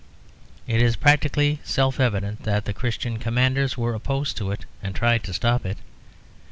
It is practically self evident that the Christian commanders were opposed to it, and tried to stop it.